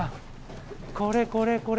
これこれこれ！